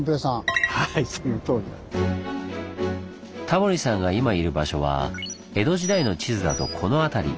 タモリさんが今いる場所は江戸時代の地図だとこの辺り。